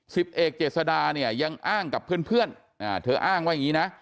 สิบเอกเจษดาเนี่ยยังอ้างกับเพื่อนอ่าเธออ้างว่าอย่างนี้นะ